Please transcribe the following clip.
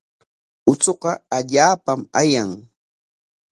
Uchuqa allaapam ayan.